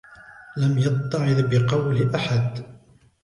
لَمْ يَتَّعِظْ بِقَوْلِ أَحَدٍ